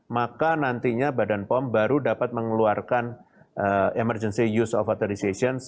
maka nantinya badan pom baru dapat mengeluarkan emergency use authorization